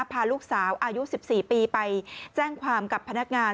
พาลูกสาวอายุ๑๔ปีไปแจ้งความกับพนักงาน